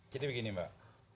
jadi begini mbak